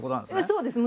そうです。